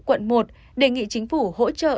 quận một đề nghị chính phủ hỗ trợ